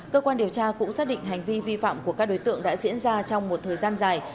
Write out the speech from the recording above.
cơ quan điều tra cũng xác định hành vi vi phạm của các đối tượng đã diễn ra trong một thời gian dài